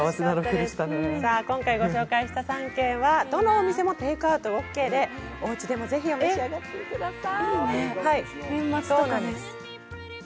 今回ご紹介した３軒はどのお店もテイクアウトオーケーで、おうちでも召し上がってください。